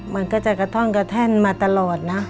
มันก็จะกระท่อนกระแท่นมาตลอดนะ